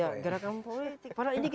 ya gerakan politik